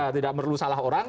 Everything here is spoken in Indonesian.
tidak perlu salah orang